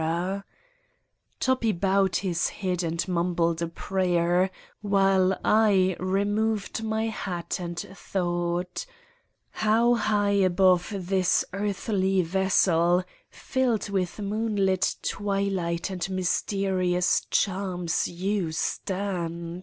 203 Satan's Diary Toppi bowed Ms head and mumbled a prayer, while I removed my hat and thought : How high above this earthly vessel, filled with moonlit twilight and mysterious charms, you stand.